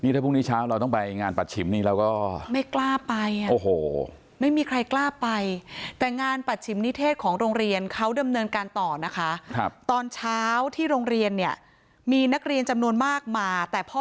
พรุ่งนี้เราต้องไปงานบัตรชิมน์เราก็